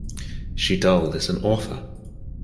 Shital is an author.